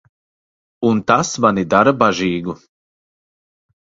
Un tas mani dara bažīgu.